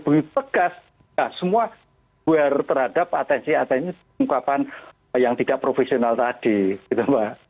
begitu tegas semua berhadap atensi atensi pengukaman yang tidak profesional tadi gitu mbak